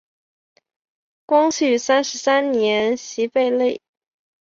光绪三十三年袭贝勒。